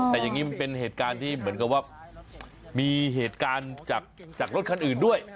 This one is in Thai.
แต่อย่างนี้มันเป็นเหตุการณ์ที่เหมือนกับว่ามีเหตุการณ์จากรถคันอื่นด้วย